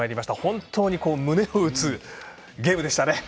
本当に胸を打つゲームでしたね。